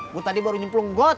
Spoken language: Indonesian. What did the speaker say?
bu tadi baru nyemplung got